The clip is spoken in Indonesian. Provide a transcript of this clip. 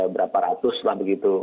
berapa ratus lah begitu